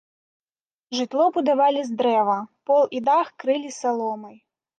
Жытло будавалі з дрэва, пол і дах крылі саломай.